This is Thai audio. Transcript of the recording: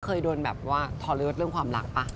เคยโดนแบบว่าทอเลิศเรื่องความรักป่ะ